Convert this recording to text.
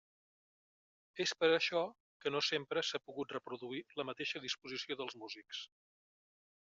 És per això que no sempre s'ha pogut reproduir la mateixa disposició dels músics.